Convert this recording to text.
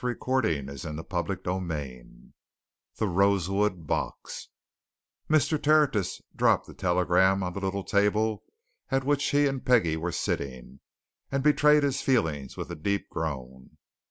Halfpenny."_ CHAPTER XVIII THE ROSEWOOD BOX Mr. Tertius dropped the telegram on the little table at which he and Peggie were sitting, and betrayed his feelings with a deep groan.